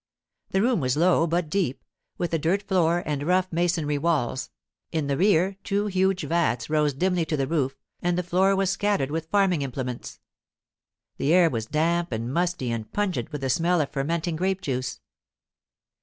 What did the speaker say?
The room was low but deep, with a dirt floor and rough masonry walls; in the rear two huge vats rose dimly to the roof, and the floor was scattered with farming implements. The air was damp and musty and pungent with the smell of fermenting grape juice.